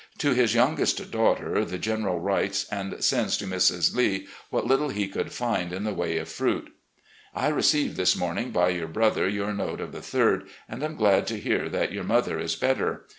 To his youngest daughter the General writes, and sends to Mrs. Lee what little he could find in the way of fruit; "... I received this morning by your brother your note of the 3d, and am glad to hear that your mother is better.